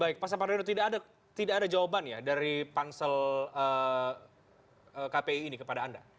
baik pak sapardo tidak ada jawaban ya dari pansel kpi ini kepada anda